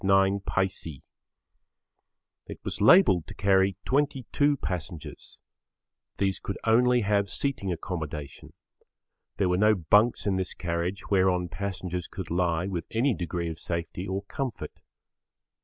13 9. It was labelled to carry 22 passengers. These could only have seating accommodation. There were no bunks in this carriage whereon passengers could lie with any degree of safety or comfort.